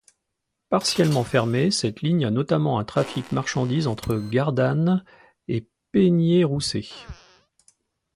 Partiellement fermée, cette ligne a notamment un trafic marchandise entre Gardanne et Peynier-Rousset.